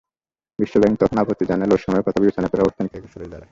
বিশ্বব্যাংক তখন আপত্তি জানালেও সময়ের কথা বিবেচনা করে অবস্থান থেকে সরে যায়।